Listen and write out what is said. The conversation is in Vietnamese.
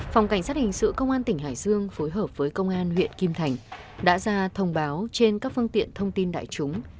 phòng cảnh sát hình sự công an tỉnh hải dương phối hợp với công an huyện kim thành đã ra thông báo trên các phương tiện thông tin đại chúng